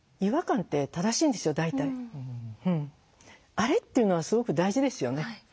「あれ？」っていうのはすごく大事ですよね。